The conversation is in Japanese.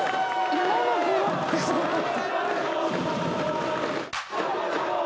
今のブロックすごかった。